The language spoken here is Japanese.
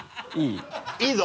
いいぞ！